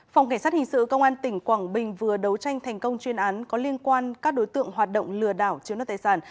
phòng cảnh sát hình sự công an tỉnh quảng bình vừa đấu tranh thành công chuyên án có liên quan các đối tượng hoạt động lừa đảo chiếm đoạt tài sản